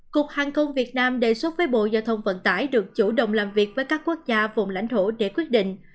cục hàng không việt nam đề xuất với bộ giao thông vận tải được chủ động làm việc với các quốc gia vùng lãnh thổ để quyết định